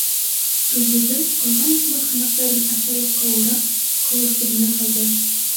Гөлйөҙөм ҡалған икмәк һыныҡтарын, ашъяулыҡҡа урап, ҡыуыш төбөнә һалды.